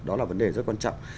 đó là vấn đề rất quan trọng